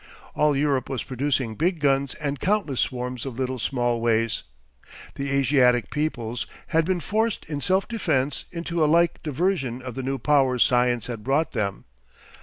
All Europe was producing big guns and countless swarms of little Smallways. The Asiatic peoples had been forced in self defence into a like diversion of the new powers science had brought them.